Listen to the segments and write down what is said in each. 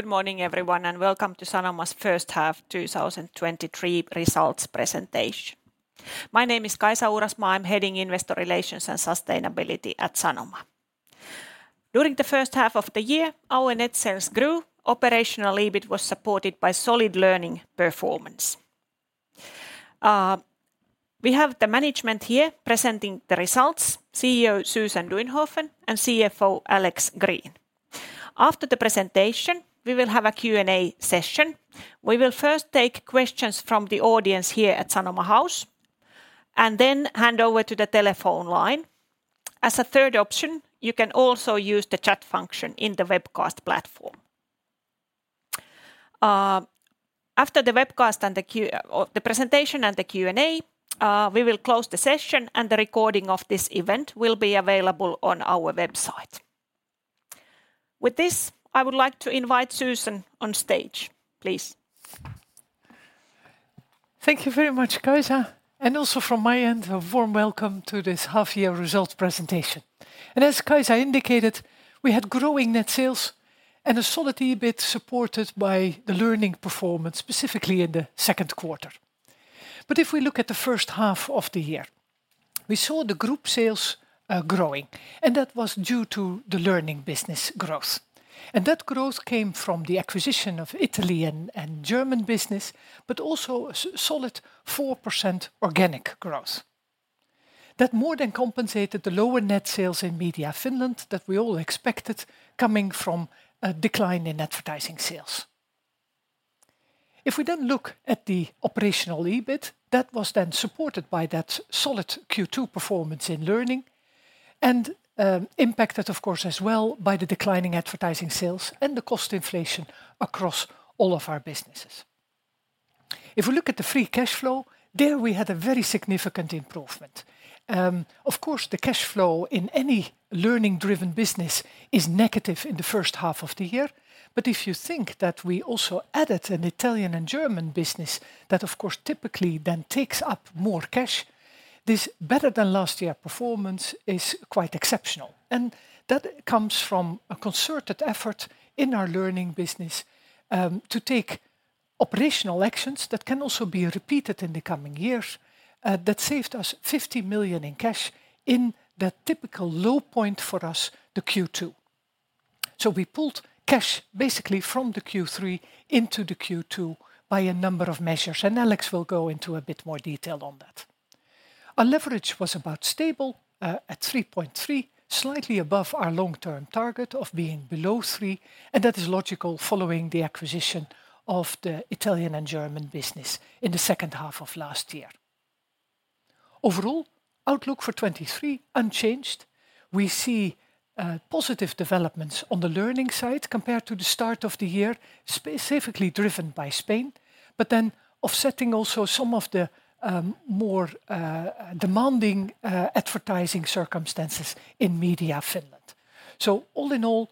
Good morning, everyone, and welcome to Sanoma's first half 2023 results presentation. My name is Kaisa Uurasmaa. I'm heading Investor Relations and Sustainability at Sanoma. During the first half of the year, our net sales grew. Operational EBIT was supported by solid learning performance. We have the management here presenting the results: CEO Susan Duinhoven and CFO Alex Green. After the presentation, we will have a Q&A session. We will first take questions from the audience here at Sanoma House, and then hand over to the telephone line. As a third option, you can also use the chat function in the webcast platform. After the webcast and the presentation and the Q&A, we will close the session, and the recording of this event will be available on our website. With this, I would like to invite Susan on stage, please. Thank you very much, Kaisa, and also from my end, a warm welcome to this half-year results presentation. As Kaisa indicated, we had growing net sales and a solid EBIT supported by the learning performance, specifically in the second quarter. If we look at the first half of the year, we saw the group sales growing, and that was due to the learning business growth. That growth came from the acquisition of Italy and German business, but also a solid 4% organic growth. That more than compensated the lower net sales in Media Finland that we all expected coming from a decline in advertising sales. If we then look at the operational EBIT, that was then supported by that solid Q2 performance in learning and, impacted, of course, as well by the declining advertising sales and the cost inflation across all of our businesses. If we look at the free cash flow, there we had a very significant improvement. Of course, the cash flow in any learning-driven business is negative in the first half of the year. If you think that we also added an Italian and German business, that, of course, typically then takes up more cash, this better than last year performance is quite exceptional. That comes from a concerted effort in our learning business, to take operational actions that can also be repeated in the coming years, that saved us 50 million in cash in that typical low point for us, the Q2. We pulled cash basically from the Q3 into the Q2 by a number of measures, and Alex will go into a bit more detail on that. Our leverage was about stable at 3.3, slightly above our long-term target of being below 3, and that is logical following the acquisition of the Italian and German business in the second half of last year. Overall, outlook for 2023, unchanged. We see positive developments on the learning side compared to the start of the year, specifically driven by Spain, but then offsetting also some of the more demanding advertising circumstances in Media Finland. All in all,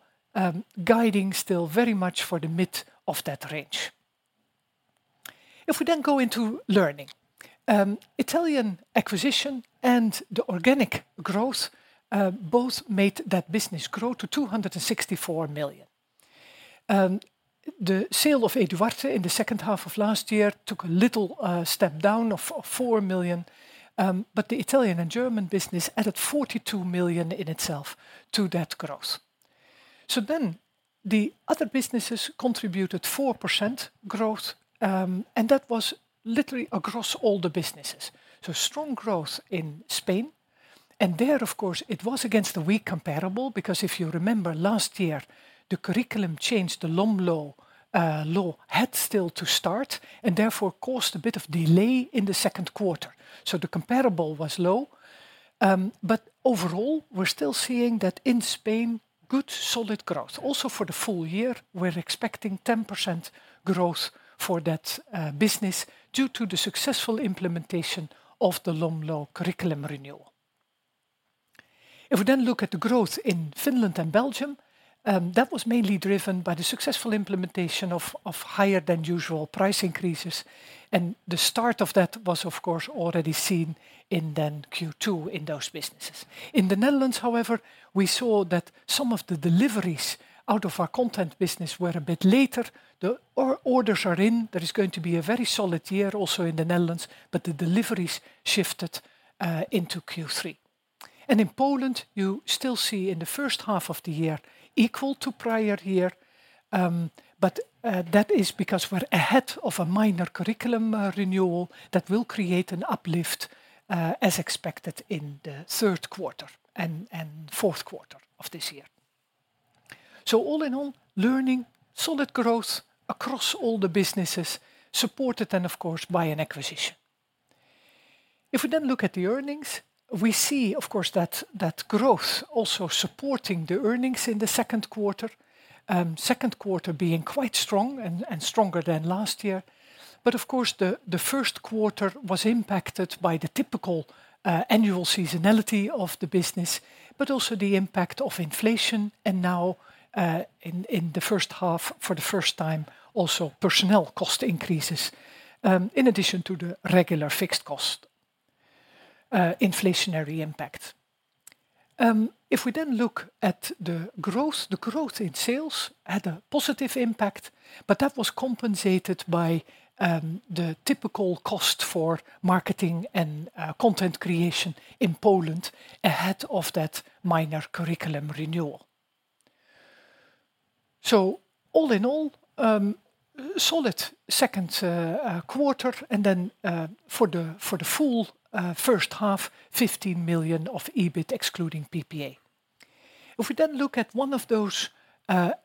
guiding still very much for the mid of that range. If we then go into learning, Italian acquisition and the organic growth both made that business grow to 264 million. The sale of Eduarte in the second half of last year took a little step down of 4 million, but the Italian and German business added 42 million in itself to that growth. The other businesses contributed 4% growth, and that was literally across all the businesses. Strong growth in Spain, and there, of course, it was against the weak comparable, because if you remember last year, the curriculum changed. The LOMLOE law had still to start and therefore caused a bit of delay in the second quarter. The comparable was low, but overall, we're still seeing that in Spain, good, solid growth. Also, for the full year, we're expecting 10% growth for that business due to the successful implementation of the LOMLOE curriculum renewal. If we then look at the growth in Finland and Belgium, that was mainly driven by the successful implementation of higher-than-usual price increases, and the start of that was, of course, already seen in then Q2 in those businesses. In the Netherlands, however, we saw that some of the deliveries out of our content business were a bit later. The orders are in. There is going to be a very solid year also in the Netherlands, but the deliveries shifted into Q3. In Poland, you still see in the first half of the year, equal to prior year, but that is because we're ahead of a minor curriculum renewal that will create an uplift as expected in the third quarter and fourth quarter of this year. All in all, learning, solid growth across all the businesses, supported, of course, by an acquisition. If we look at the earnings, we see, of course, that growth also supporting the earnings in the second quarter, second quarter being quite strong and stronger than last year. Of course, the first quarter was impacted by the typical annual seasonality of the business, but also the impact of inflation, and now, in the first half, for the first time, also personnel cost increases, in addition to the regular fixed cost inflationary impact. If we look at the growth, the growth in sales had a positive impact, but that was compensated by the typical cost for marketing and content creation in Poland ahead of that minor curriculum renewal. All in all, a solid second quarter, then for the full first half, 15 million of EBIT, excluding PPA. If we then look at one of those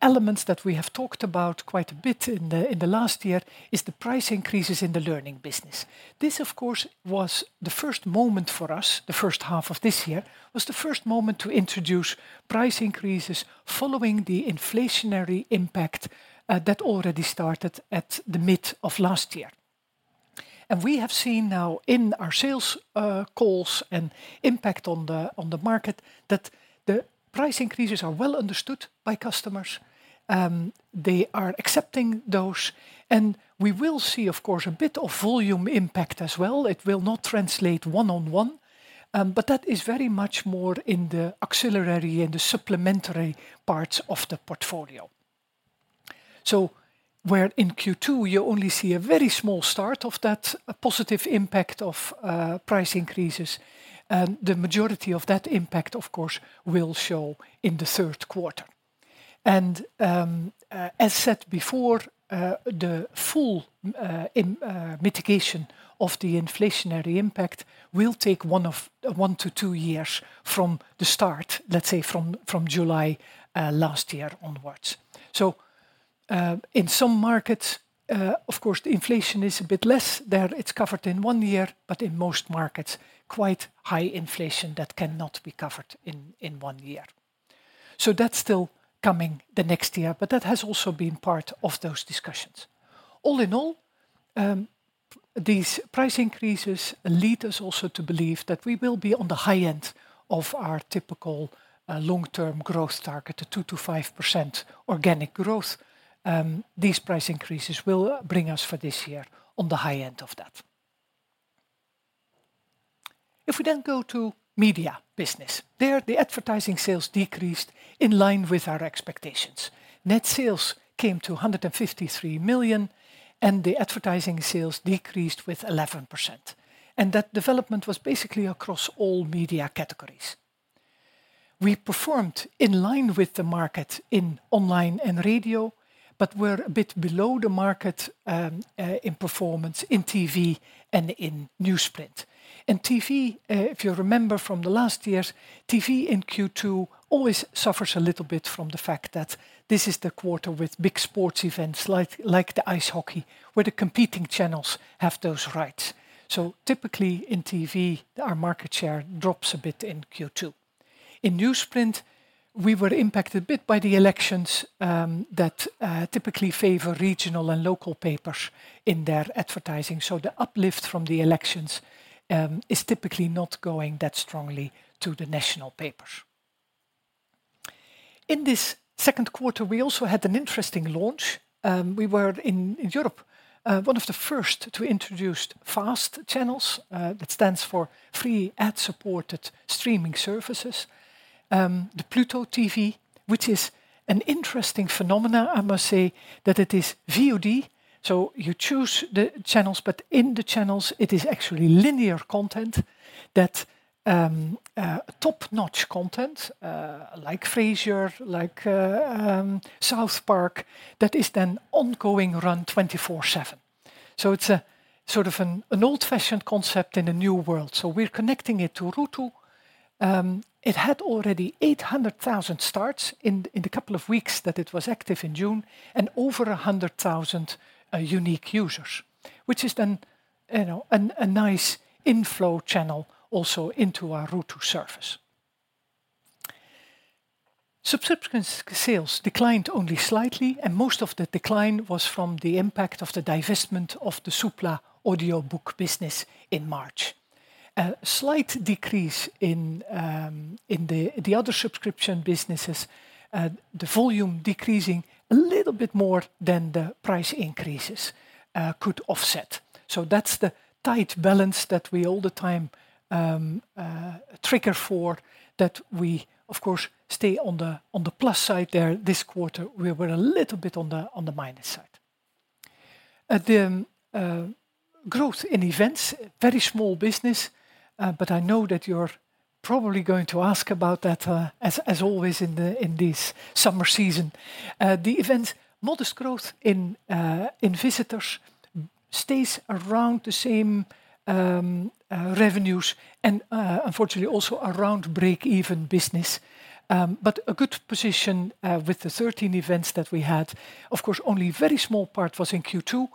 elements that we have talked about quite a bit in the last year, is the price increases in the learning business. This, of course, was the first moment for us. The first half of this year was the first moment to introduce price increases following the inflationary impact that already started at the mid of last year. We have seen now in our sales calls and impact on the market, that the price increases are well understood by customers. They are accepting those, and we will see, of course, a bit of volume impact as well. It will not translate one-on-one, but that is very much more in the auxiliary and the supplementary parts of the portfolio. Where in Q2, you only see a very small start of that positive impact of price increases, the majority of that impact, of course, will show in the third quarter. As said before, the full mitigation of the inflationary impact will take one to two years from the start, let's say, from July last year onwards. In some markets, of course, the inflation is a bit less. There, it's covered in one year, but in most markets, quite high inflation that cannot be covered in one year. That's still coming the next year, but that has also been part of those discussions. All in all, these price increases lead us also to believe that we will be on the high end of our typical, long-term growth target of 2%-5% organic growth. These price increases will bring us for this year on the high end of that. If we then go to Media business, there, the advertising sales decreased in line with our expectations. Net sales came to 153 million, and the advertising sales decreased with 11%, and that development was basically across all media categories. We performed in line with the market in online and radio, but we're a bit below the market in performance in TV and in newsprint. TV, if you remember from the last years, TV in Q2 always suffers a little bit from the fact that this is the quarter with big sports events, like the ice hockey, where the competing channels have those rights. In newsprint, we were impacted a bit by the elections, that typically favor regional and local papers in their advertising. The uplift from the elections is typically not going that strongly to the national papers. In this second quarter, we also had an interesting launch. We were in Europe one of the first to introduce FAST channels. That stands for Free Ad-supported Streaming TV. The Pluto TV, which is an interesting phenomenon, I must say, that it is VOD, so you choose the channels, but in the channels, it is actually linear content that top-notch content like Frasier, like South Park, that is then ongoing run 24/7. It's a sort of an old-fashioned concept in a new world. We're connecting it to Ruutu. It had already 800,000 starts in the couple of weeks that it was active in June, and over 100,000 unique users, which is then, you know, a nice inflow channel also into our Ruutu service. Subscription sales declined only slightly, and most of the decline was from the impact of the divestment of the Supla audiobook business in March. A slight decrease in the other subscription businesses, the volume decreasing a little bit more than the price increases, could offset. That's the tight balance that we all the time, trigger for, that we, of course, stay on the, on the plus side there. This quarter, we were a little bit on the, on the minus side. The growth in events, very small business, but I know that you're probably going to ask about that, as always in the, in this summer season. The events, modest growth in visitors, stays around the same, revenues and, unfortunately, also around break-even business. A good position, with the 13 events that we had. Of course, only a very small part was in Q2.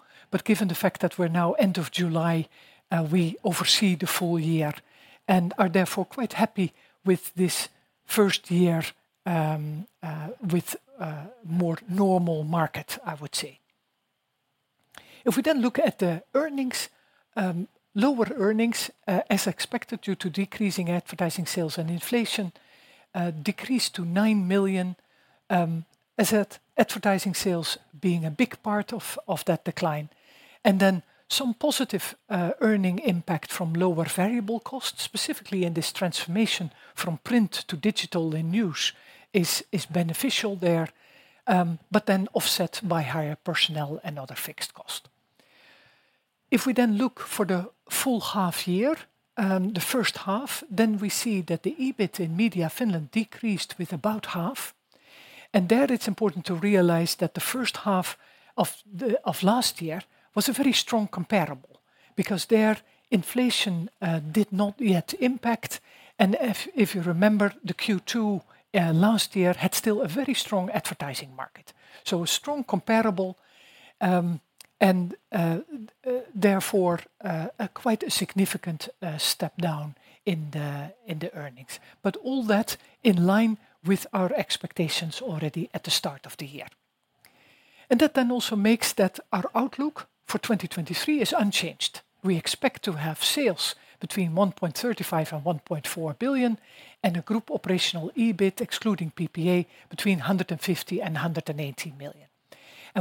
Given the fact that we're now end of July, we oversee the full year and are therefore quite happy with this first year with a more normal market, I would say. Lower earnings, as expected, due to decreasing advertising sales and inflation, decreased to 9 million, advertising sales being a big part of that decline. Some positive earning impact from lower variable costs, specifically in this transformation from print to digital in news, is beneficial there, offset by higher personnel and other fixed cost. The first half, we see that the EBIT in Media Finland decreased with about half. There, it's important to realize that the first half of last year was a very strong comparable, because there, inflation did not yet impact. If you remember, the Q2 last year had still a very strong advertising market. A strong comparable, and therefore, a quite a significant step down in the earnings. All that in line with our expectations already at the start of the year. That then also makes that our outlook for 2023 is unchanged. We expect to have sales between 1.35 billion-1.4 billion, and a group operational EBIT, excluding PPA, between 150 million and 180 million.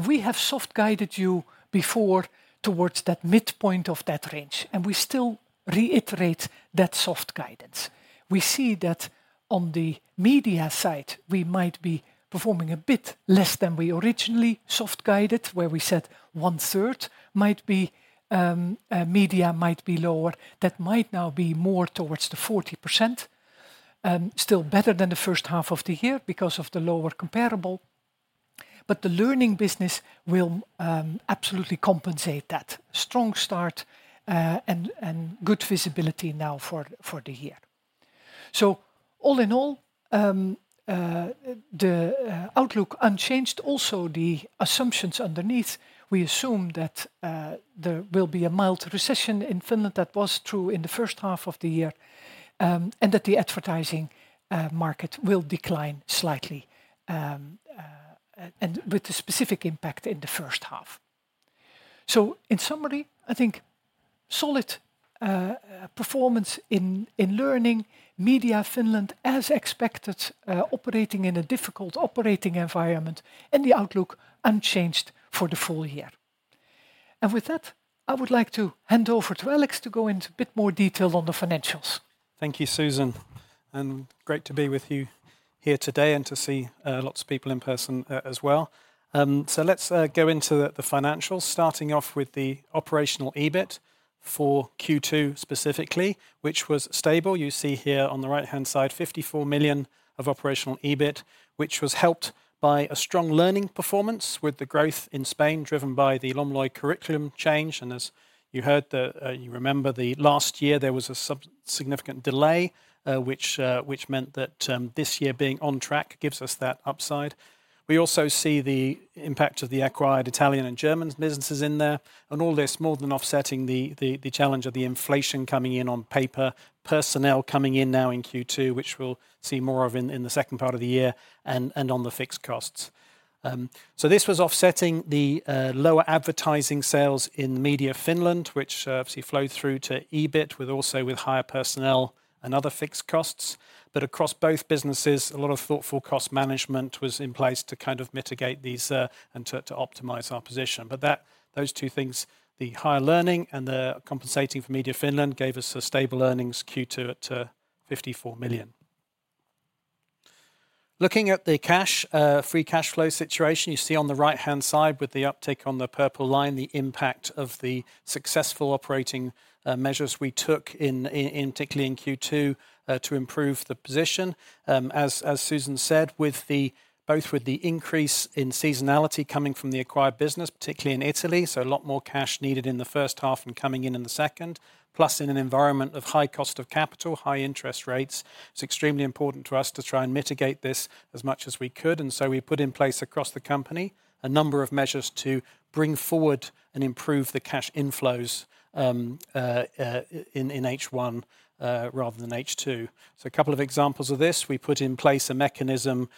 We have soft guided you before towards that midpoint of that range, and we still reiterate that soft guidance. We see that on the media side, we might be performing a bit less than we originally soft guided, where we said one-third might be media might be lower. That might now be more towards the 40%, still better than the first half of the year because of the lower comparable. The learning business will absolutely compensate that strong start and good visibility now for the year. All in all, the outlook unchanged. Also, the assumptions underneath, we assume that there will be a mild recession in Finland. That was true in the first half of the year, and that the advertising market will decline slightly and with the specific impact in the first half. In summary, I think solid performance in Learning, Media Finland, as expected, operating in a difficult operating environment, and the outlook unchanged for the full year. With that, I would like to hand over to Alex to go into a bit more detail on the financials. Thank you, Susan. Great to be with you here today and to see lots of people in person as well. Let's go into the financials, starting off with the operational EBIT for Q2 specifically, which was stable. You see here on the right-hand side, 54 million of operational EBIT, which was helped by a strong learning performance with the growth in Spain, driven by the LOMLOE curriculum change. As you heard, you remember the last year, there was a significant delay, which meant that this year being on track gives us that upside. We also see the impact of the acquired Italian and German businesses in there, all this more than offsetting the challenge of the inflation coming in on paper, personnel coming in now in Q2, which we'll see more of in the second part of the year, and on the fixed costs. This was offsetting the lower advertising sales in Media Finland, which obviously flowed through to EBIT, with also with higher personnel and other fixed costs. Across both businesses, a lot of thoughtful cost management was in place to kind of mitigate these, and to optimize our position. That, those two things, the higher learning and the compensating for Media Finland, gave us a stable earnings Q2 at 54 million. Looking at the cash, free cash flow situation, you see on the right-hand side with the uptick on the purple line, the impact of the successful operating measures we took in particularly in Q2 to improve the position. As Susan said, both with the increase in seasonality coming from the acquired business, particularly in Italy, so a lot more cash needed in the first half and coming in in the second, plus in an environment of high cost of capital, high interest rates, it's extremely important to us to try and mitigate this as much as we could. We put in place across the company, a number of measures to bring forward and improve the cash inflows in H1 rather than H2. A couple of examples of this: We put in place a mechanism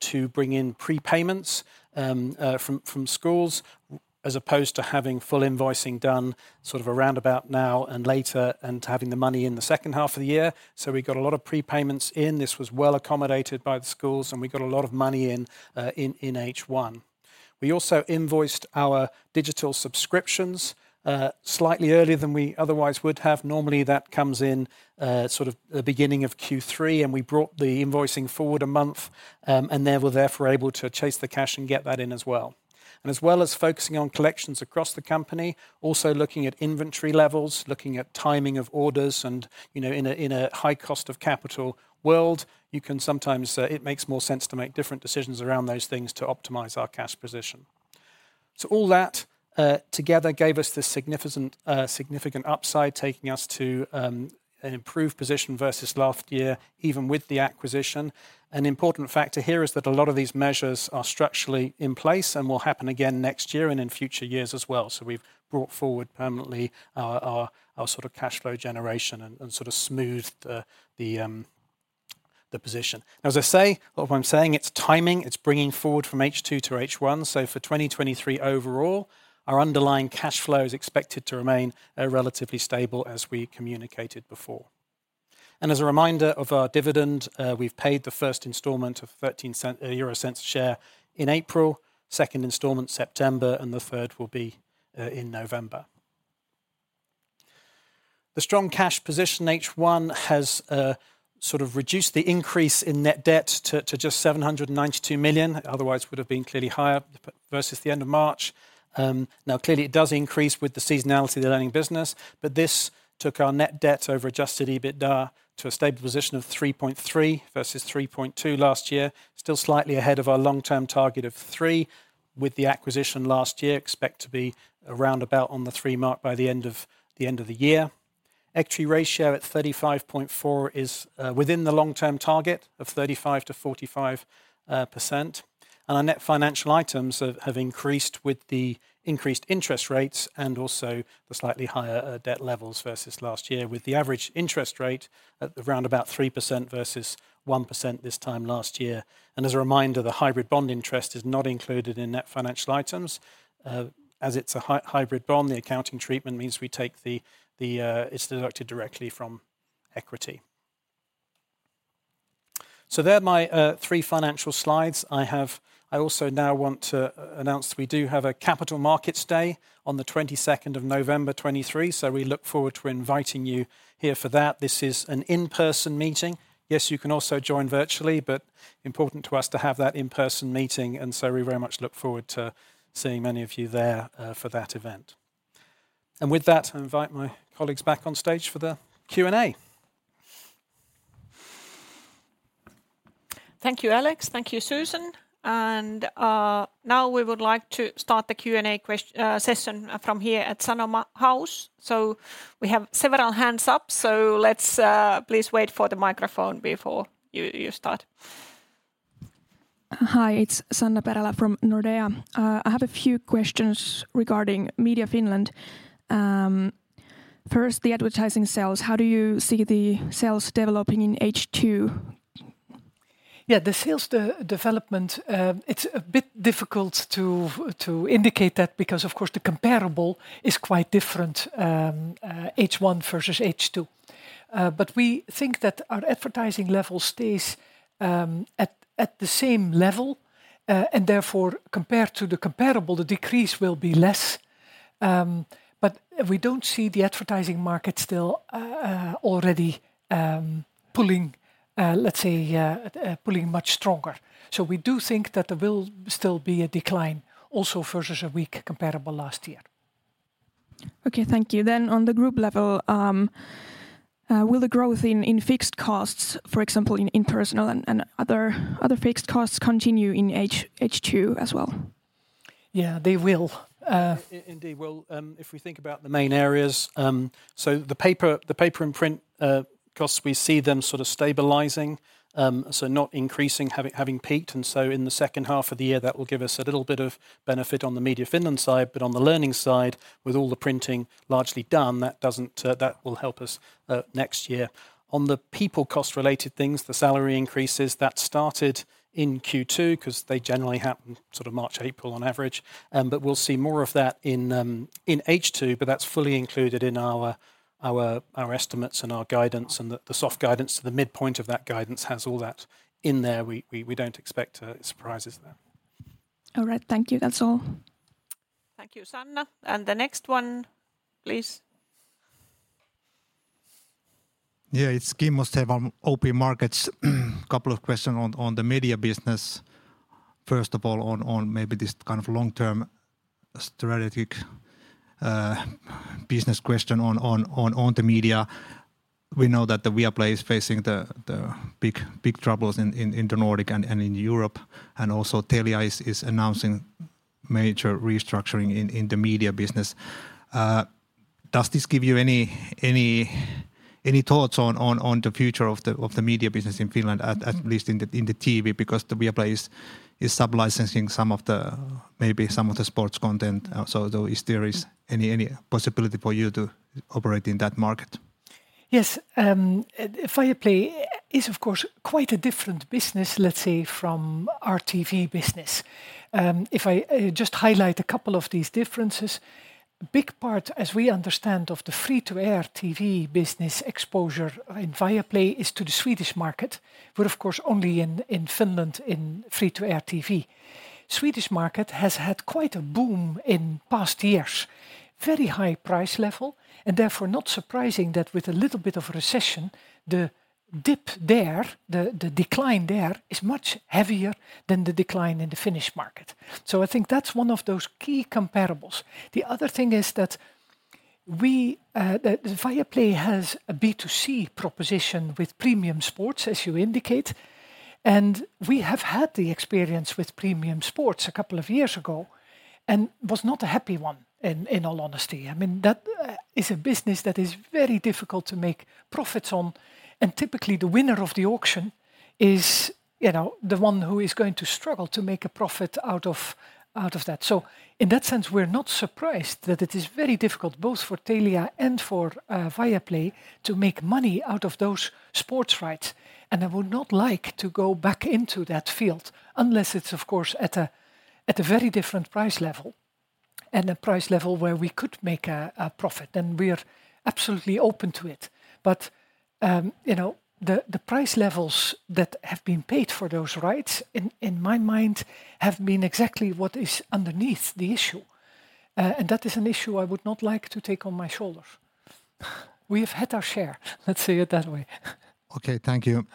to bring in prepayments from schools, as opposed to having full invoicing done, sort of around about now and later, and having the money in the second half of the year. We got a lot of prepayments in. This was well accommodated by the schools, and we got a lot of money in H1. We also invoiced our digital subscriptions slightly earlier than we otherwise would have. Normally, that comes in, sort of the beginning of Q3, and we brought the invoicing forward a month, and then were therefore able to chase the cash and get that in as well. As well as focusing on collections across the company, also looking at inventory levels, looking at timing of orders, and, you know, in a high cost of capital world, you can sometimes it makes more sense to make different decisions around those things to optimize our cash position. All that together gave us this significant significant upside, taking us to an improved position versus last year, even with the acquisition. An important factor here is that a lot of these measures are structurally in place and will happen again next year and in future years as well. We've brought forward permanently our sort of cash flow generation and sort of smoothed the position. Now, as I say, all I'm saying, it's timing, it's bringing forward from H2 to H1. For 2023 overall, our underlying cash flow is expected to remain relatively stable as we communicated before. As a reminder of our dividend, we've paid the first installment of 0.13 a share in April, second installment September, and the third will be in November. The strong cash position in H1 has reduced the increase in net debt to just 792 million, otherwise would have been clearly higher versus the end of March. Clearly it does increase with the seasonality of the learning business, but this took our net debt over adjusted EBITDA to a stable position of 3.3 versus 3.2 last year. Still slightly ahead of our long-term target of 3. Expect to be around 3x by the end of the year. Equity ratio at 35.4% is within the long-term target of 35%-45%. Our net financial items have increased with the increased interest rates and also the slightly higher debt levels versus last year, with the average interest rate at around 3% versus 1% this time last year. As a reminder, the hybrid bond interest is not included in net financial items. As it's a hybrid bond, the accounting treatment means we take the... It's deducted directly from equity. They're my three financial slides. I also now want to announce we do have a capital markets day on the 22nd of November, 2023. We look forward to inviting you here for that. This is an in-person meeting. Yes, you can also join virtually. Important to us to have that in-person meeting. We very much look forward to seeing many of you there for that event. With that, I invite my colleagues back on stage for the Q&A. Thank you, Alex. Thank you, Susan. Now we would like to start the Q&A session from here at Sanoma House. We have several hands up, so let's. Please wait for the microphone before you start. Hi, it's Sanna Perälä from Nordea. I have a few questions regarding Media Finland. First, the advertising sales. How do you see the sales developing in H2? Yeah, the sales development, it's a bit difficult to indicate that because, of course, the comparable is quite different, H1 versus H2. We think that our advertising level stays at the same level, and therefore, compared to the comparable, the decrease will be less. We don't see the advertising market still already pulling, let's say, pulling much stronger. We do think that there will still be a decline also versus a weak comparable last year. Okay, thank you. On the group level, will the growth in fixed costs, for example, in personal and other fixed costs, continue in H2 as well? Yeah, they will. Indeed, well, if we think about the main areas, the paper and print costs, we see them sort of stabilizing, not increasing, having peaked. In the second half of the year, that will give us a little bit of benefit on the Media Finland side. On the learning side, with all the printing largely done, that will help us next year. On the people cost-related things, the salary increases, that started in Q2, 'cause they generally happen sort of March, April on average. We'll see more of that in H2, that's fully included in our estimates and our guidance, and the soft guidance to the midpoint of that guidance has all that in there. We don't expect surprises there. All right. Thank you. That's all. Thank you, Sanna. The next one, please. Yeah, it's Kimmo Stenvall from OP Markets. Couple of questions on the media business. First of all, on maybe this kind of long-term strategic business question on the media. We know that Viaplay is facing big troubles in the Nordic and in Europe, also Telia is announcing major restructuring in the media business. Does this give you any thoughts on the future of the media business in Finland, at least in the TV? Because Viaplay is sub-licensing some of the sports content. Though, is there any possibility for you to operate in that market? Yes, Viaplay is, of course, quite a different business, let's say, from our TV business. If I just highlight a couple of these differences, big part, as we understand, of the free-to-air TV business exposure in Viaplay is to the Swedish market. We're, of course, only in Finland, in free-to-air TV. Swedish market has had quite a boom in past years. Very high price level, and therefore, not surprising that with a little bit of recession, the dip there, the decline there, is much heavier than the decline in the Finnish market. I think that's one of those key comparables. The other thing is that we, the Viaplay has a B2C proposition with premium sports, as you indicate, and we have had the experience with premium sports a couple of years ago, and was not a happy one, in all honesty. I mean, that is a business that is very difficult to make profits on, and typically the winner of the auction is, you know, the one who is going to struggle to make a profit out of that. In that sense, we're not surprised that it is very difficult both for Telia and for Viaplay to make money out of those sports rights. I would not like to go back into that field unless it's, of course, at a very different price level. A price level where we could make a profit. We are absolutely open to it. You know, the price levels that have been paid for those rights, in my mind, have been exactly what is underneath the issue. That is an issue I would not like to take on my shoulders. We've had our share, let's say it that way. Okay, thank you.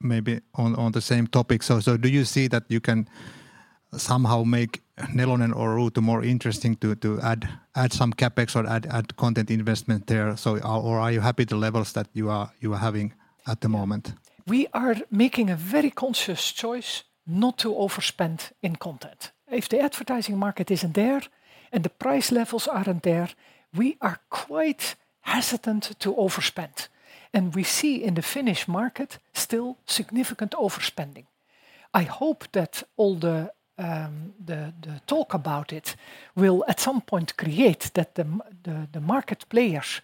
Maybe on the same topic, do you see that you can somehow make Nelonen or Ruutu more interesting to add some CapEx or add content investment there, or are you happy the levels that you are having at the moment? We are making a very conscious choice not to overspend in content. If the advertising market isn't there, and the price levels aren't there, we are quite hesitant to overspend, and we see in the Finnish market still significant overspending. I hope that all the talk about it will, at some point, create that the market players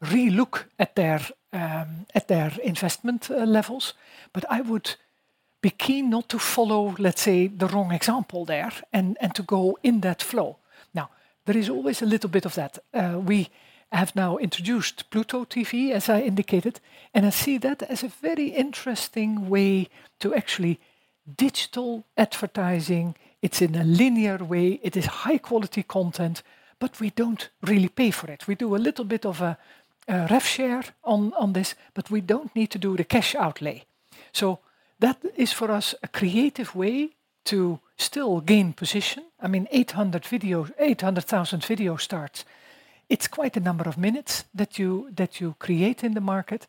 re-look at their investment levels. I would be keen not to follow, let's say, the wrong example there, and to go in that flow. There is always a little bit of that. We have now introduced Pluto TV, as I indicated, and I see that as a very interesting way to actually digital advertising. It's in a linear way, it is high-quality content, but we don't really pay for it. We do a little bit of a rev share on this, but we don't need to do the cash outlay. That is, for us, a creative way to still gain position. I mean, 800,000 video starts, it's quite a number of minutes that you create in the market,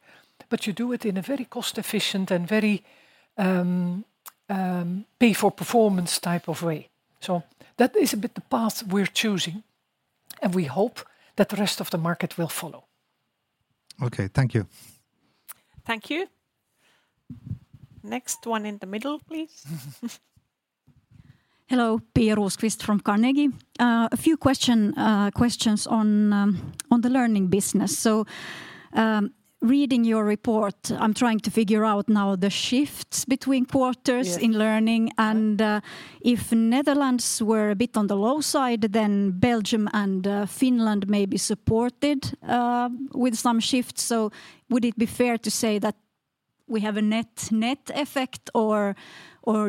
but you do it in a very cost-efficient and very pay-for-performance type of way. That is a bit the path we're choosing, and we hope that the rest of the market will follow. Okay, thank you. Thank you. Next one in the middle, please. Hello, Pia Rosqvist-Heinsalmi from Carnegie. A few questions on on the learning business. Reading your report, I'm trying to figure out now the shifts between quarters- Yes.... in learning, and if Netherlands were a bit on the low side, then Belgium and Finland may be supported with some shifts. Would it be fair to say that we have a net effect, or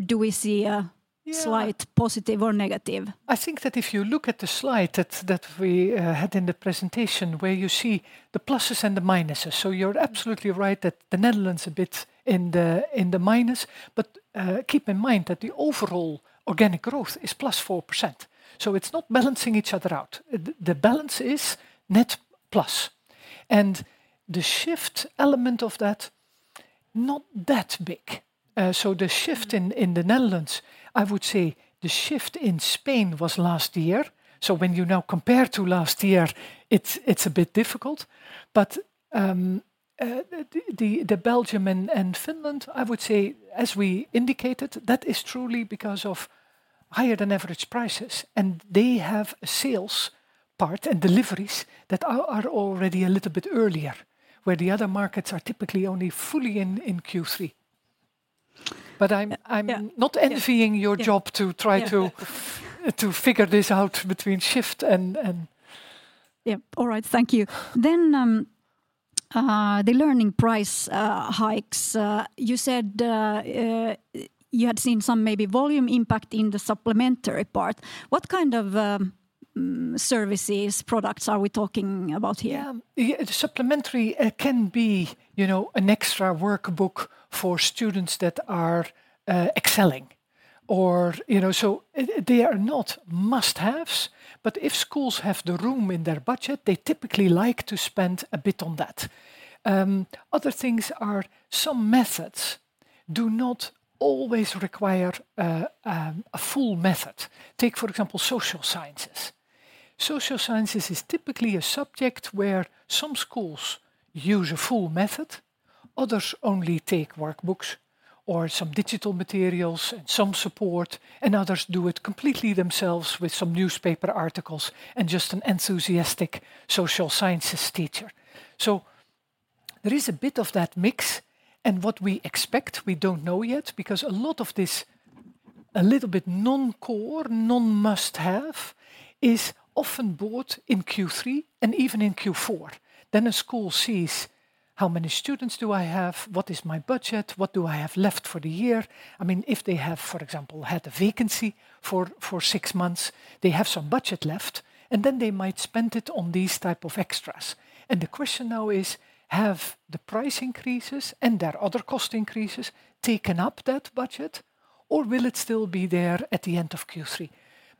do we see? Yeah.... slight positive or negative? I think that if you look at the slide that we had in the presentation, where you see the pluses and the minuses, you're absolutely right that the Netherlands a bit in the minus. Keep in mind that the overall organic growth is +4%, it's not balancing each other out. The balance is net plus, and the shift element of that, not that big. The shift- Mm.... in the Netherlands. I would say the shift in Spain was last year. When you now compare to last year, it's a bit difficult. The Belgium and Finland, I would say, as we indicated, that is truly because of higher-than-average prices, and they have a sales part and deliveries that are already a little bit earlier, where the other markets are typically only fully in Q3. But I'm Yeah.... I'm not envying. Yeah. your job to try to- Yeah. to figure this out between shift and... Yeah. All right, thank you. The learning price hikes, you said, you had seen some maybe volume impact in the supplementary part. What kind of, services, products are we talking about here? Yeah. Yeah, the supplementary can be, you know, an extra workbook for students that are excelling. You know, so they are not must-haves, but if schools have the room in their budget, they typically like to spend a bit on that. Other things are some methods do not always require a full method. Take, for example, social sciences. Social sciences is typically a subject where some schools use a full method, others only take workbooks or some digital materials and some support, and others do it completely themselves with some newspaper articles and just an enthusiastic social sciences teacher. There is a bit of that mix, and what we expect, we don't know yet, because a lot of this, a little bit non-core, non-must-have, is often bought in Q3 and even in Q4. A school sees, "How many students do I have? What is my budget? What do I have left for the year?" I mean, if they have, for example, had a vacancy for 6 months, they have some budget left, and then they might spend it on these type of extras. The question now is: Have the price increases and their other cost increases taken up that budget, or will it still be there at the end of Q3?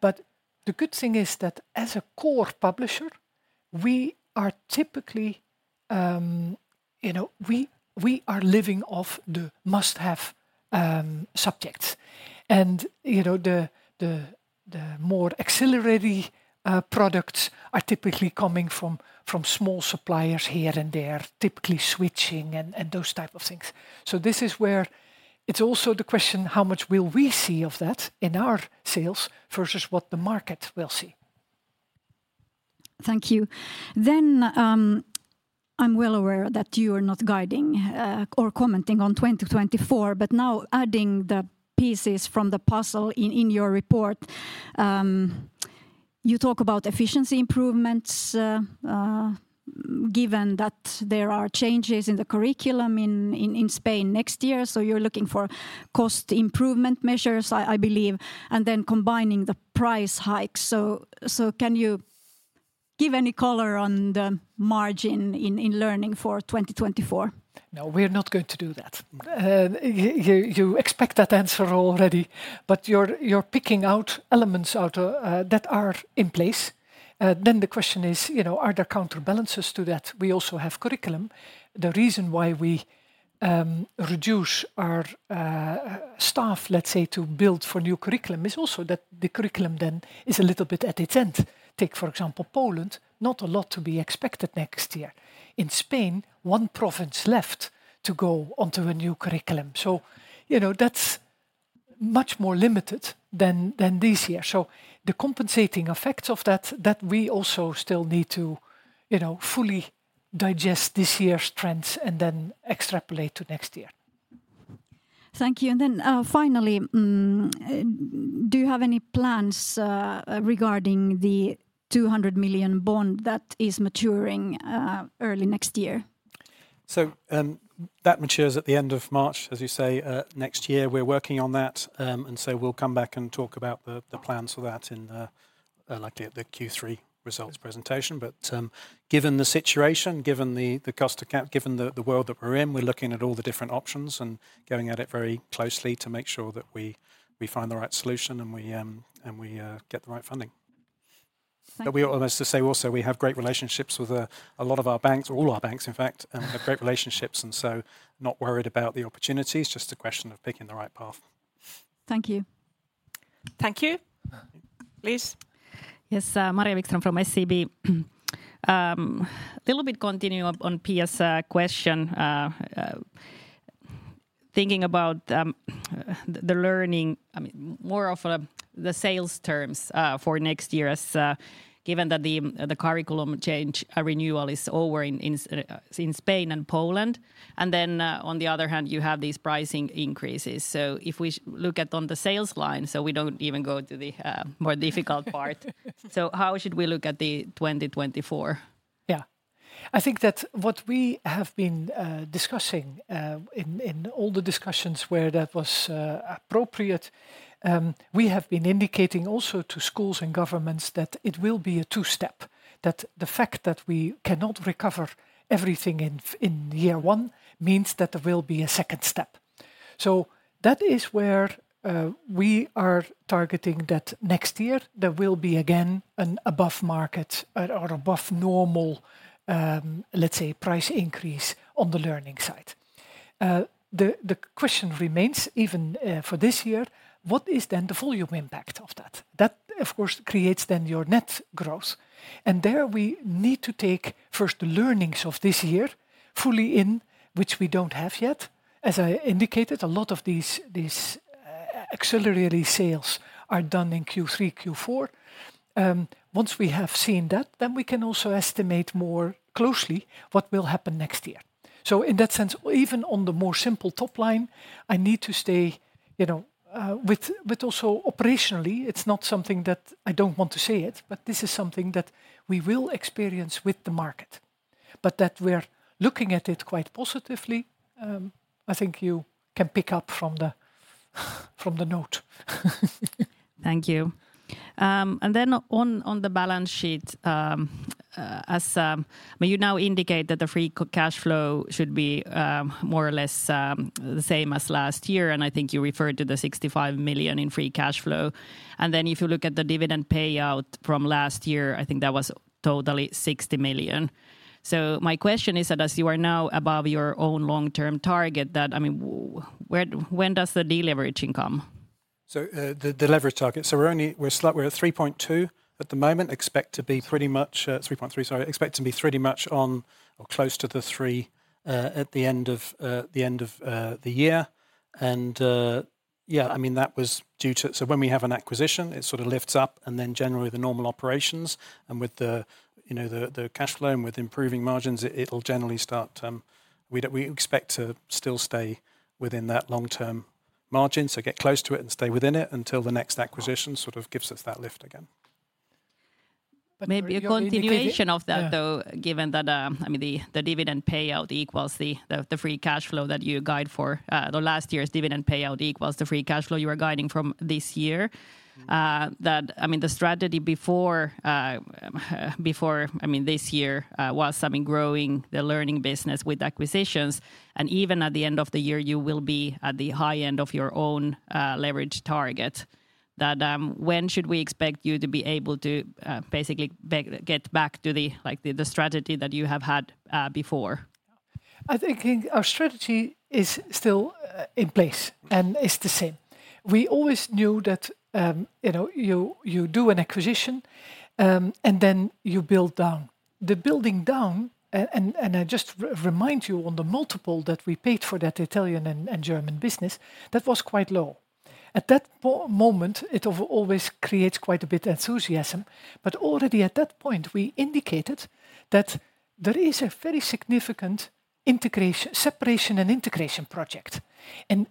The good thing is that, as a core publisher, we are typically, you know, we are living off the must-have subjects. You know, the more auxiliary products are typically coming from small suppliers here and there, typically switching and those type of things. This is where it's also the question, "How much will we see of that in our sales versus what the market will see. Thank you. I'm well aware that you are not guiding or commenting on 2024, but now adding the pieces from the puzzle in your report, you talk about efficiency improvements. Given that there are changes in the curriculum in Spain next year, so you're looking for cost improvement measures, I believe, and then combining the price hikes. Can you give any color on the margin in learning for 2024? No, we're not going to do that. You expect that answer already, you're picking out elements out that are in place. The question is, you know, are there counterbalances to that? We also have curriculum. The reason why we reduce our staff, let's say, to build for new curriculum is also that the curriculum then is a little bit at its end. Take, for example, Poland, not a lot to be expected next year. In Spain, one province left to go onto a new curriculum, you know, that's much more limited than this year. The compensating effects of that we also still need to, you know, fully digest this year's trends and then extrapolate to next year. Thank you. Then, finally, do you have any plans regarding the 200 million bond that is maturing early next year? That matures at the end of March, as you say, next year. We're working on that, and we'll come back and talk about the plans for that in the, like the, Q3 results presentation. Given the situation, given the cost of capital, given the world that we're in, we're looking at all the different options and getting at it very closely to make sure that we find the right solution, and we get the right funding. Thank you. We almost to say also, we have great relationships with a lot of our banks, or all our banks, in fact, have great relationships, and so not worried about the opportunities, just a question of picking the right path. Thank you. Thank you. Please? Yes, Maria Wikström from SEB. A little bit continue on Pia's question. Thinking about, I mean, more of the sales terms, for next year as given that the curriculum change renewal is over in Spain and Poland, and then, on the other hand, you have these pricing increases. If we look at on the sales line, so we don't even go to the more difficult part. How should we look at 2024? Yeah. I think that what we have been discussing in all the discussions where that was appropriate, we have been indicating also to schools and governments that it will be a two-step, that the fact that we cannot recover everything in year one means that there will be a second step. That is where we are targeting that next year there will be again an above market or above normal, let's say, price increase on the learning side. The question remains even for this year, what is then the volume impact of that? That of course, creates then your net growth, and there we need to take first the learnings of this year fully in which we don't have yet. As I indicated, a lot of these auxiliary sales are done in Q3, Q4. Once we have seen that, we can also estimate more closely what will happen next year. In that sense, even on the more simple top line, I need to stay, you know, with, but also operationally, it's not something that I don't want to say it, but this is something that we will experience with the market, but that we're looking at it quite positively. I think you can pick up from the, from the note. Thank you. Well, you now indicate that the free cash flow should be more or less the same as last year, and I think you referred to the 65 million in free cash flow. If you look at the dividend payout from last year, I think that was totally 60 million. My question is that as you are now above your own long-term target, that I mean, where, when does the deleveraging come? The leverage target, we're at 3.2 at the moment. Expect to be pretty much 3.3, sorry. Expect to be pretty much on or close to the 3 at the end of the year. Yeah, I mean, when we have an acquisition, it sort of lifts up, generally the normal operations, with the, you know, the cash flow and with improving margins, it'll generally start. We expect to still stay within that long-term margin, get close to it and stay within it until the next acquisition sort of gives us that lift again. Maybe a continuation of that, though- Yeah given that, I mean, the dividend payout equals the free cash flow that you guide for, the last year's dividend payout equals the free cash flow you are guiding from this year. That, I mean, the strategy before, I mean, this year was, I mean, growing the learning business with acquisitions. Even at the end of the year, you will be at the high end of your own leverage target. That, when should we expect you to be able to basically get back to like, the strategy that you have had before? I think our strategy is still in place, and it's the same. We always knew that, you know, you do an acquisition, and then you build down. The building down, and I just remind you, on the multiple that we paid for that Italian and German business, that was quite low. At that moment, it always creates quite a bit enthusiasm, but already at that point, we indicated that there is a very significant integration separation and integration project.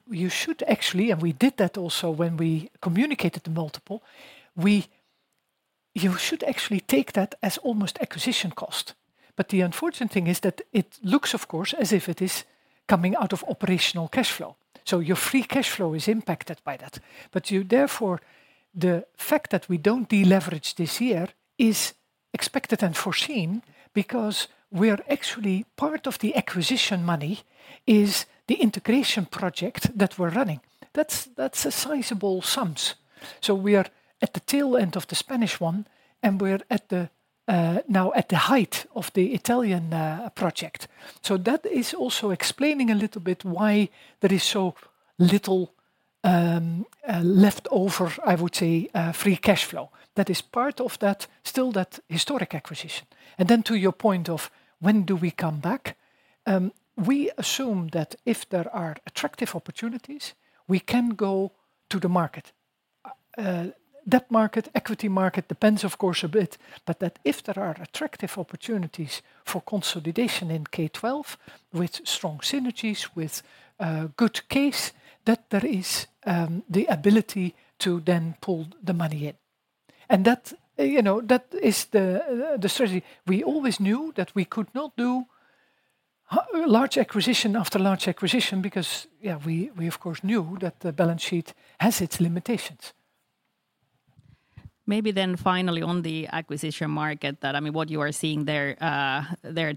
You should actually, and we did that also when we communicated the multiple, you should actually take that as almost acquisition cost. The unfortunate thing is that it looks, of course, as if it is coming out of operational cashflow. Your free cashflow is impacted by that. You therefore, the fact that we don't deleverage this year is expected and foreseen because we are actually, part of the acquisition money is the integration project that we're running. That's a sizable sums. We are at the tail end of the Spanish one, and we're now at the height of the Italian project. That is also explaining a little bit why there is so little left over, I would say, free cashflow. That is part of that, still that historic acquisition. To your point of when do we come back? We assume that if there are attractive opportunities, we can go to the market. That market, equity market, depends, of course, a bit, but that if there are attractive opportunities for consolidation in K-12, with strong synergies, with a good case, that there is the ability to then pull the money in. That, you know, that is the strategy. We always knew that we could not do large acquisition after large acquisition because we, of course, knew that the balance sheet has its limitations. Maybe finally on the acquisition market, that, I mean, what you are seeing there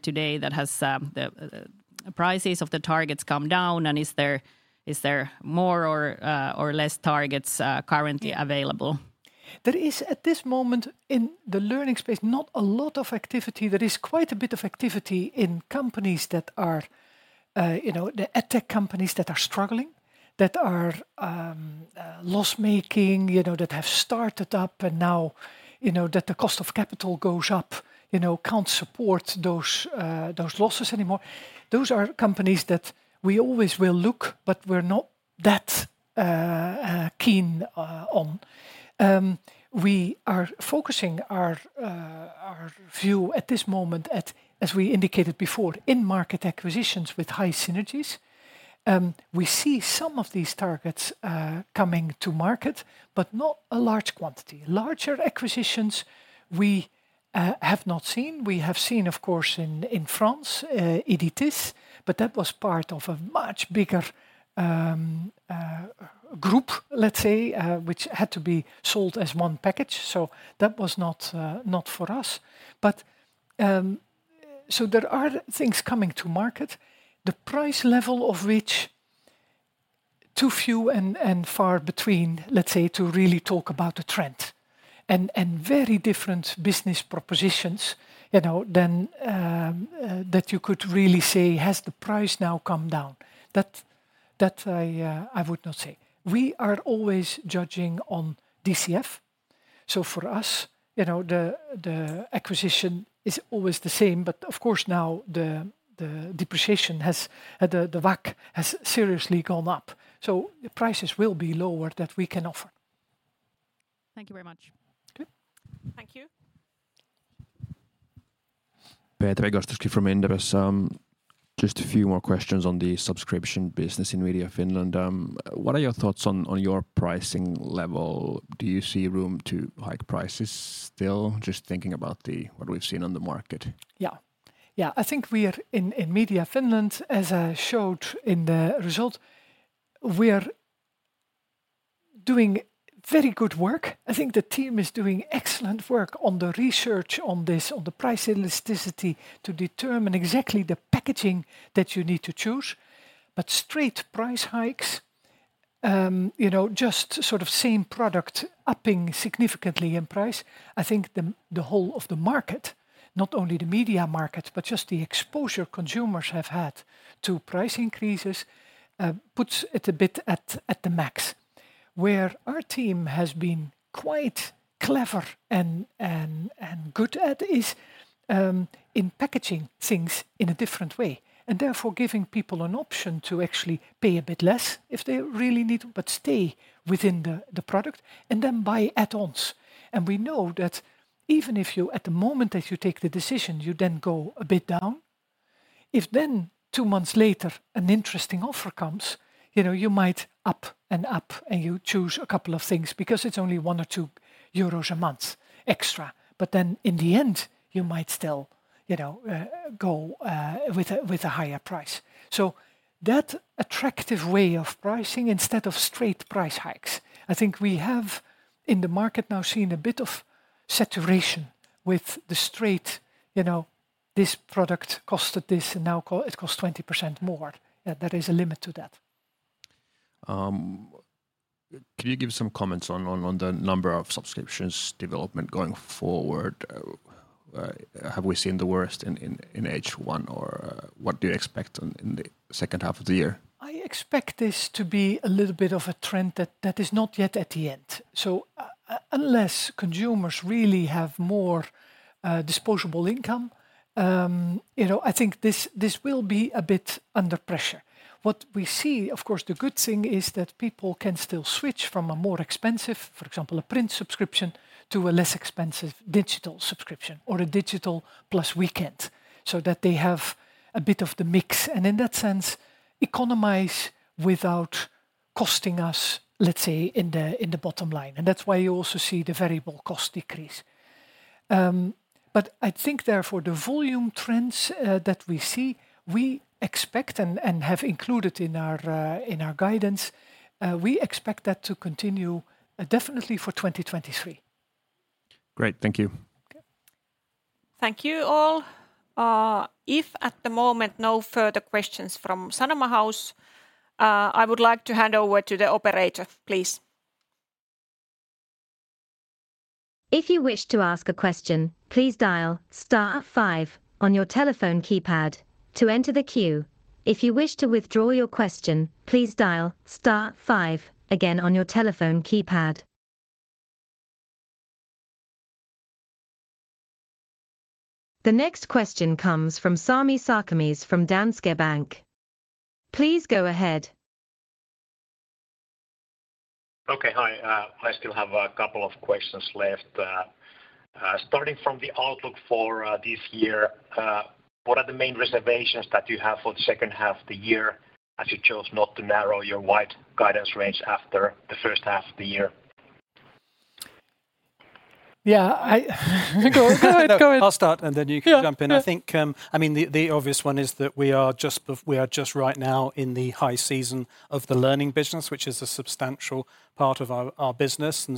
today, that has, the, prices of the targets come down, and is there more or less targets, currently available? There is, at this moment, in the learning space, not a lot of activity. There is quite a bit of activity in companies that are, you know, the edtech companies that are struggling, that are loss-making, you know, that have started up and now, you know, that the cost of capital goes up, you know, can't support those losses anymore. Those are companies that we always will look, but we're not that keen on. We are focusing our view at this moment at, as we indicated before, in-market acquisitions with high synergies. We see some of these targets coming to market, but not a large quantity. Larger acquisitions, we have not seen. We have seen, of course, in France, Editis, that was part of a much bigger group, let's say, which had to be sold as one package, that was not for us. There are things coming to market, the price level of which too few and far between, let's say, to really talk about the trend. Very different business propositions, you know, than that you could really say, "Has the price now come down?" That I would not say. We are always judging on DCF, for us, you know, the acquisition is always the same, of course, now the depreciation has, the WACC has seriously gone up, the prices will be lower that we can offer. Thank you very much. Okay. Thank you. Petri Gostowski from Inderes. Just a few more questions on the subscription business in Media Finland. What are your thoughts on your pricing level? Do you see room to hike prices still? Just thinking about what we've seen on the market. I think we are in Media Finland, as I showed in the result, we are doing very good work. I think the team is doing excellent work on the research on this, on the price elasticity, to determine exactly the packaging that you need to choose. Straight price hikes, you know, just sort of same product upping significantly in price, I think the whole of the market, not only the media market, but just the exposure consumers have had to price increases, puts it a bit at the max. Where our team has been quite clever and good at is in packaging things in a different way, and therefore giving people an option to actually pay a bit less if they really need, but stay within the product, and then buy add-ons. We know that even if you, at the moment that you take the decision, you go a bit down, if two months later, an interesting offer comes, you know, you might up and up, and you choose a couple of things, because it's only 1 or 2 euros a month extra. In the end, you might still, you know, go with a higher price. That attractive way of pricing, instead of straight price hikes, I think we have, in the market now, seen a bit of saturation with the straight, you know, "This product costed this, and now it costs 20% more." Yeah, there is a limit to that. Can you give some comments on the number of subscriptions development going forward? Have we seen the worst in H1, or what do you expect in the second half of the year? I expect this to be a little bit of a trend that is not yet at the end. Unless consumers really have more disposable income, you know, I think this will be a bit under pressure. What we see, of course, the good thing is that people can still switch from a more expensive, for example, a print subscription, to a less expensive digital subscription or a digital plus weekend, so that they have a bit of the mix, and in that sense, economize without costing us, let's say, in the, in the bottom line. That's why you also see the variable cost decrease. I think therefore, the volume trends that we see, we expect and have included in our guidance, we expect that to continue definitely for 2023. Great. Thank you. Thank you, all. If at the moment, no further questions from Sanoma House, I would like to hand over to the operator, please. If you wish to ask a question, please dial star five on your telephone keypad to enter the queue. If you wish to withdraw your question, please dial star five again on your telephone keypad. The next question comes from Sami Sarkamies from Danske Bank. Please go ahead. Hi. I still have a couple of questions left. Starting from the outlook for this year, what are the main reservations that you have for the second half of the year, as you chose not to narrow your wide guidance range after the first half of the year? Yeah. Go, go ahead, go ahead. I'll start, and then you can jump in. Yeah. I think, I mean, the obvious one is that we are just right now in the high season of the learning business, which is a substantial part of our business.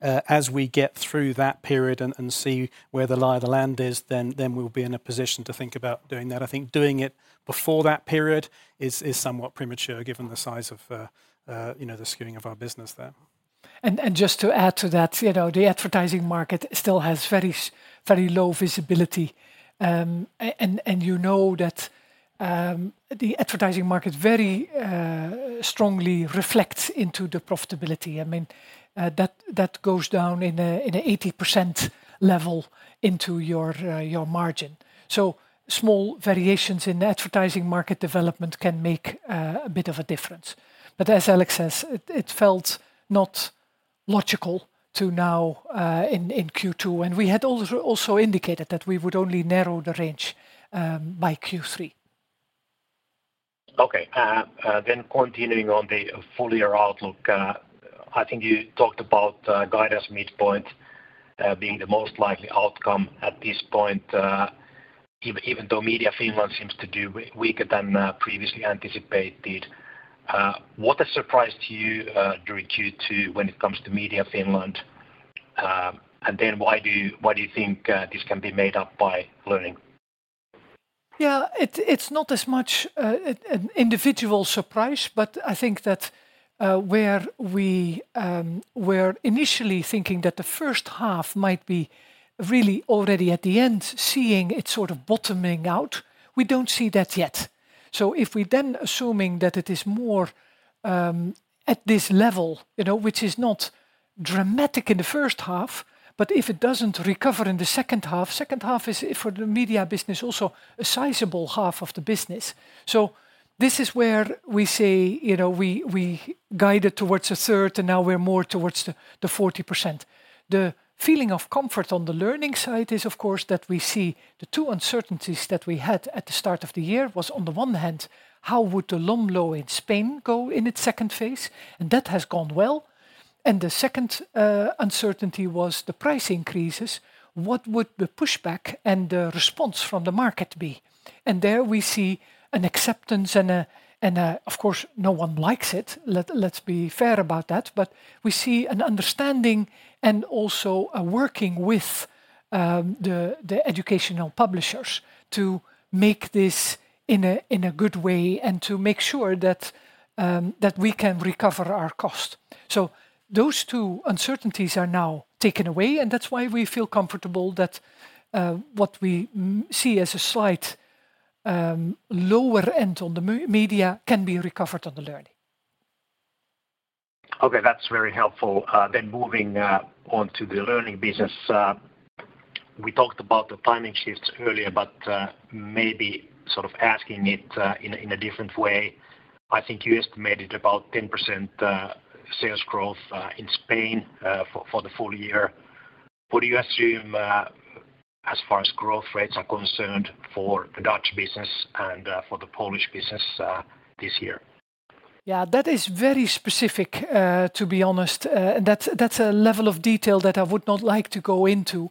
As we get through that period and see where the lie of the land is, then we'll be in a position to think about doing that. I think doing it before that period is somewhat premature, given the size of, you know, the skewing of our business there. And just to add to that, you know, the advertising market still has very low visibility. And you know that the advertising market very strongly reflects into the profitability. I mean, that goes down in a 80% level into your margin. Small variations in the advertising market development can make a bit of a difference. As Alex says, it felt not logical to now in Q2, and we had also indicated that we would only narrow the range by Q3. Okay. Continuing on the full year outlook, I think you talked about guidance midpoint being the most likely outcome at this point, even though Media Finland seems to do weaker than previously anticipated. What a surprise to you during Q2 when it comes to Media Finland? Why do you think this can be made up by learning? Yeah, it's not as much an individual surprise, but I think that where we were initially thinking that the first half might be really already at the end, seeing it sort of bottoming out, we don't see that yet. If we then assuming that it is more at this level, you know, which is not dramatic in the first half, but if it doesn't recover in the second half, second half is for the media business also a sizable half of the business. This is where we say, you know, we guided towards a third, and now we're more towards the 40%. The feeling of comfort on the learning side is, of course, that we see the two uncertainties that we had at the start of the year was, on the one hand, how would the LOMLOE in Spain go in its second phase? That has gone well. The second uncertainty was the price increases. What would the pushback and the response from the market be? There we see an acceptance. Of course, no one likes it. Let's be fair about that, but we see an understanding and also a working with the educational publishers to make this in a good way and to make sure that we can recover our cost. Those two uncertainties are now taken away, and that's why we feel comfortable that what we see as a slight, lower end on the Media can be recovered on the Learning. Okay, that's very helpful. Moving on to the learning business, we talked about the timing shifts earlier, but maybe sort of asking it in a different way. I think you estimated about 10% sales growth in Spain for the full year. What do you assume as far as growth rates are concerned for the Dutch business and for the Polish business this year? Yeah, that is very specific, to be honest. And that's a level of detail that I would not like to go into.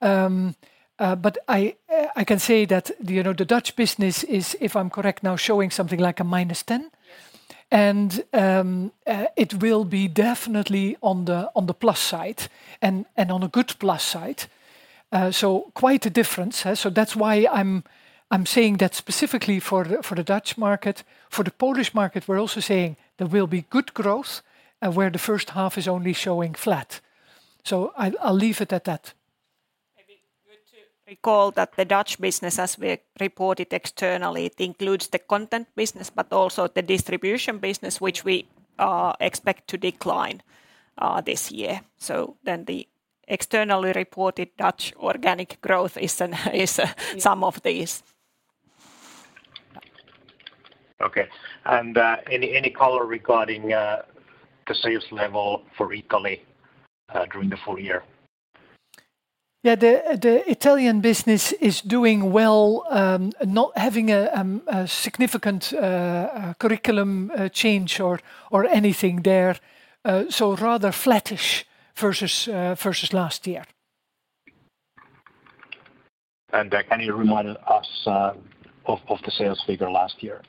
But I can say that, you know, the Dutch business is, if I'm correct now, showing something like a minus 10, and it will be definitely on the, on the plus side, and on a good plus side. Quite a difference, eh? That's why I'm saying that specifically for the Dutch market. For the Polish market, we're also saying there will be good growth, where the first half is only showing flat. I'll leave it at that. Recall that the Dutch business, as we report it externally, it includes the content business, but also the distribution business, which we expect to decline this year. The externally reported Dutch organic growth is some of these. Okay. any color regarding the sales level for Italy during the full year? Yeah, the Italian business is doing well, not having a significant curriculum change or anything there. Rather flattish versus last year. Can you remind us, of the sales figure last year?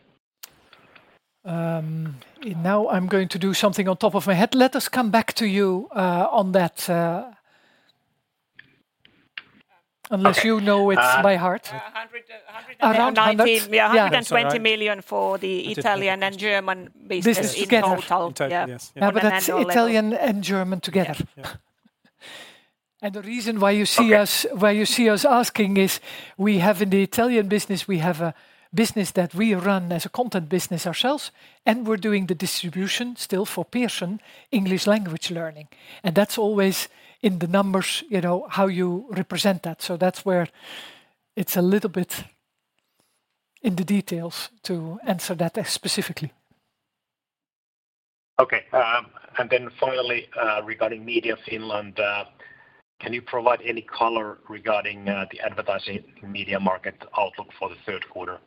Now I'm going to do something on top of my head. Let us come back to you on that, unless you know it by heart. Uh, a hundred, a hundred and nineteen- Around 100 EUR. Yeah. Yeah, 120 million for the Italian and German business. Business together. in total. In total, yes. On an annual level. That's Italian and German together. Yeah. Yeah. The reason why you see Okay... why you see us asking is, we have in the Italian business, we have a business that we run as a content business ourselves, and we're doing the distribution still for Pearson English Language Learning. That's always in the numbers, you know, how you represent that, so that's where it's a little bit in the details to answer that specifically. Okay. Finally, regarding Media Finland, can you provide any color regarding the advertising media market outlook for the third quarter?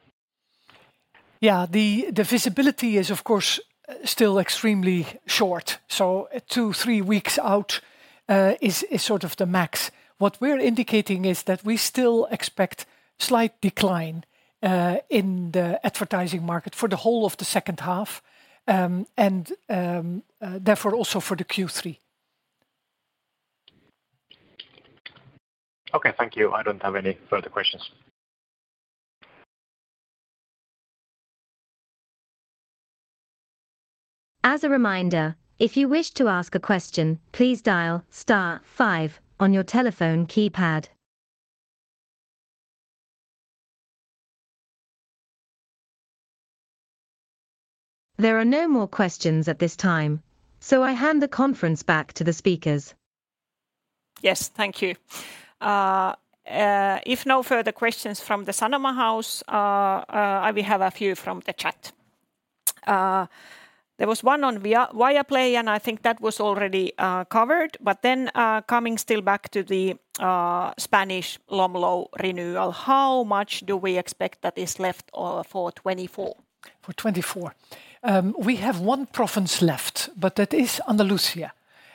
Yeah. The visibility is, of course, still extremely short, so two, three weeks out, is sort of the max. What we're indicating is that we still expect slight decline in the advertising market for the whole of the second half, and therefore, also for the Q3. Okay, thank you. I don't have any further questions. As a reminder, if you wish to ask a question, please dial star five on your telephone keypad. There are no more questions at this time. I hand the conference back to the speakers. Yes, thank you. If no further questions from the Sanoma house, I will have a few from the chat. There was one on Viaplay, and I think that was already covered. Coming still back to the Spanish LOMLOE renewal, how much do we expect that is left for 2024? For 2024? We have one province left, that is Andalusia,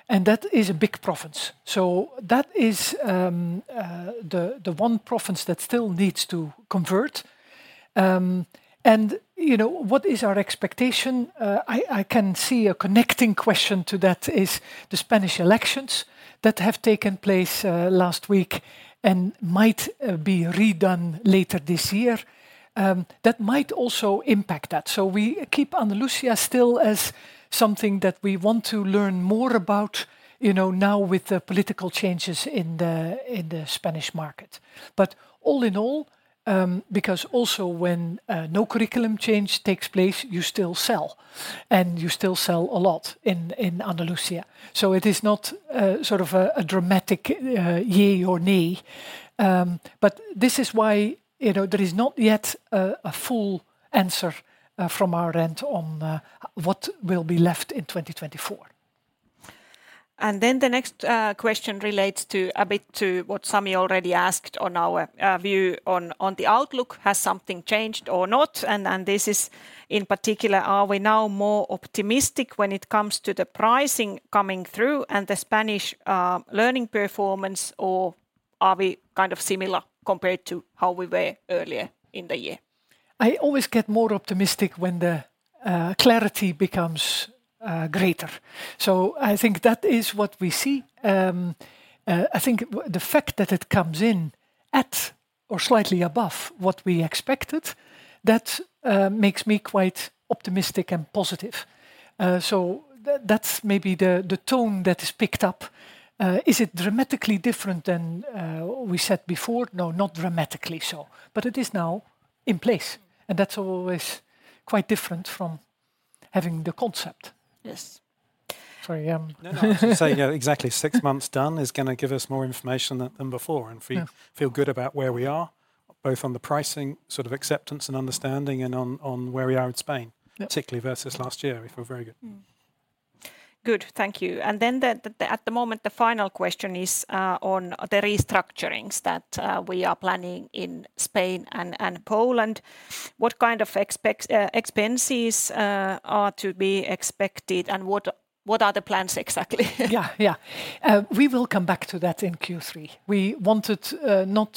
and that is a big province, that is the one province that still needs to convert. And, you know, what is our expectation? I can see a connecting question to that is the Spanish elections that have taken place last week and might be redone later this year. That might also impact that. We keep Andalusia still as something that we want to learn more about, you know, now with the political changes in the Spanish market. All in all, because also when no curriculum change takes place, you still sell, and you still sell a lot in Andalusia, it is not sort of a dramatic yay or nay. This is why, you know, there is not yet a full answer from our end on what will be left in 2024. The next question relates to, a bit to what Sammy already asked on our view on the outlook: Has something changed or not? This is, in particular, are we now more optimistic when it comes to the pricing coming through and the Spanish learning performance, or are we kind of similar compared to how we were earlier in the year? I always get more optimistic when the clarity becomes greater. I think that is what we see. I think the fact that it comes in at or slightly above what we expected, that makes me quite optimistic and positive. That's maybe the tone that is picked up. Is it dramatically different than we said before? No, not dramatically so, but it is now in place, and that's always quite different from having the concept. Yes. Sorry, No, no, I was just saying, yeah, exactly. Six months done is gonna give us more information than before. Yeah... and feel good about where we are, both on the pricing, sort of acceptance and understanding, and on where we are in Spain. Yeah particularly versus last year. We feel very good. Good. Thank you. Then the at the moment, the final question is on the restructurings that we are planning in Spain and Poland. What kind of expenses are to be expected, and what are the plans exactly? Yeah, yeah. We will come back to that in Q3. We wanted not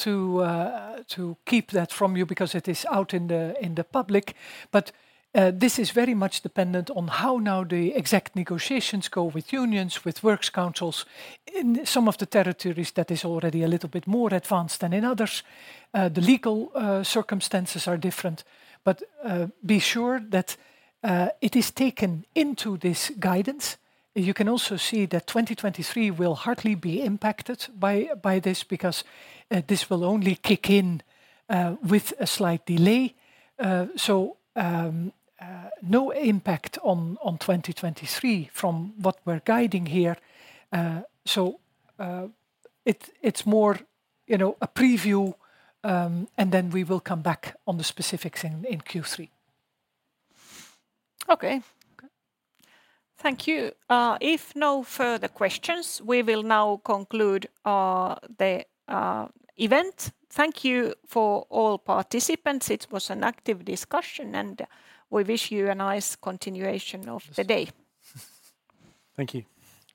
to keep that from you because it is out in the, in the public, but this is very much dependent on how now the exact negotiations go with unions, with works councils. In some of the territories, that is already a little bit more advanced than in others. The legal circumstances are different, but be sure that it is taken into this guidance. You can also see that 2023 will hardly be impacted by this, because this will only kick in with a slight delay. No impact on 2023 from what we're guiding here. It's more, you know, a preview, and then we will come back on the specifics in Q3. Okay. Thank you. If no further questions, we will now conclude the event. Thank you for all participants. It was an active discussion. We wish you a nice continuation of the day. Thank you.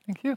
Thank you.